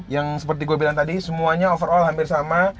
yang seperti gue bilang tadi semuanya overall hampir sama